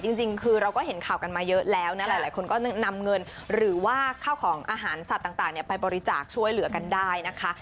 จริงคือเราก็เห็นข่าวกันมาเยอะแล้วนะหลายคนก็นำเงินหรือว่าข้าวของอาหารสัตว์ต่างไปบริจาคช่วยเหลือกันได้นะคะ